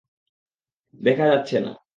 দেখা যাচ্ছে না।